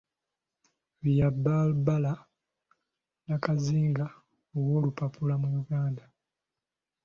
Bya Balbala Nakazinga owa olupapaula mu Uganda.